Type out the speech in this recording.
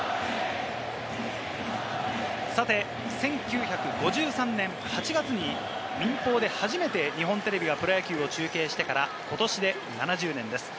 さて１９５３年８月に民法で初めて、日本テレビはプロ野球を中継してから、ことしで７０年です。